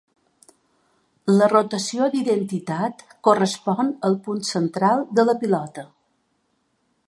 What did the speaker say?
La rotació d'identitat correspon al punt central de la pilota.